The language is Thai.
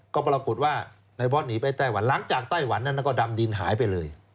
ก็ปรากฏว่าในบอสหนีไปไต้หวันหลังจากไต้หวันนั้นก็ดำดินหายไปเลย